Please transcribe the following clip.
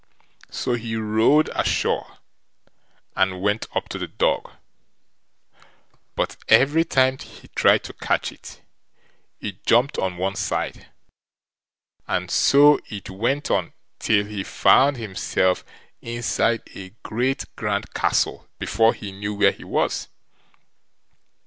So he rowed ashore, and went up to the dog; but every time he tried to catch it, it jumped on one side, and so it went on till he found himself inside a great grand castle, before he knew where he was.